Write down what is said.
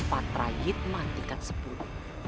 patra hikmah tiga puluh tujuh